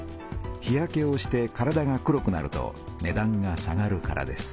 日焼けをして体が黒くなるとねだんが下がるからです。